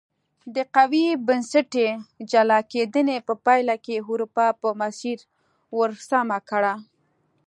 د قوي بنسټي جلا کېدنې په پایله کې اروپا په مسیر ور سمه کړه.